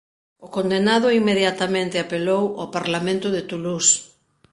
O condenado inmediatamente apelou ao Parlamento de Toulouse.